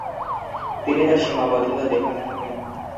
তিনি তার সীমাবদ্ধতা দেখাতে থাকেন।